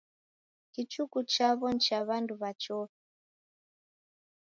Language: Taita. Kichuku chaw'o ni cha w'andu w'a chofi.